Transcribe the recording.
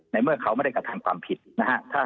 เมื่อเขาไม่ได้กระทำความผิดนะฮะ